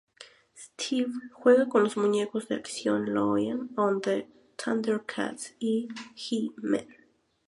Stewie juega con los muñecos de acción Lion-O de "ThunderCats" y He-Man.